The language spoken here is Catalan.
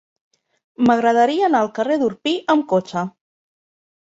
M'agradaria anar al carrer d'Orpí amb cotxe.